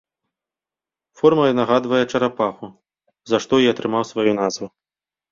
Формай нагадвае чарапаху, за што і атрымаў сваю назву.